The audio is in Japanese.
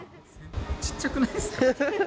ちっちゃくないですか？